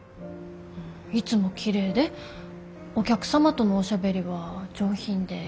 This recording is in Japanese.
いつもきれいでお客様とのおしゃべりは上品で優しい。